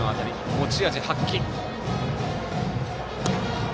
持ち味発揮。